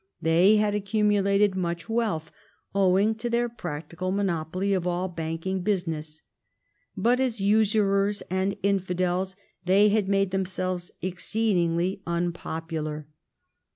They had accumulated much wealth, owing to their practical monopoly of all banking business ; but, as usurers and as infidels, they had made themselves exceedingly unpopular.